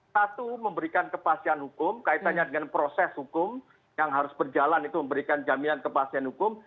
satu memberikan kepastian hukum kaitannya dengan proses hukum yang harus berjalan itu memberikan jaminan kepastian hukum